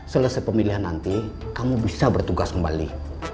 selesai pemilihan nanti kamu bisa bertugas kembali